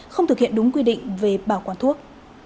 không thực hiện đúng quy định về bảo quản thuốc